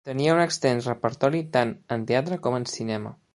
Tenia un extens repertori tant en teatre com en cinema.